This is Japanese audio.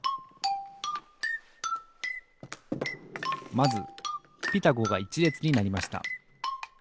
まず「ピタゴ」が１れつになりました